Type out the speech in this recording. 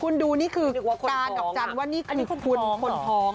คุณดูนี่คือตาดอกจันทร์ว่านี่คือคุณคนท้อง